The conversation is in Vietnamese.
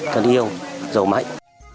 tân yêu giàu mạnh